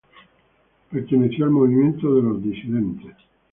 Perteneció al movimiento de "Los Disidentes".